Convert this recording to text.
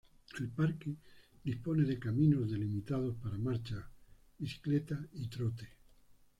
El parque dispone de caminos delimitados para marcha, bicicleta y trote.